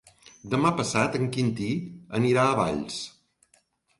Demà passat en Quintí anirà a Valls.